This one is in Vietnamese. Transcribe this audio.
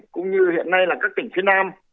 cũng như hiện nay là các tỉnh phía nam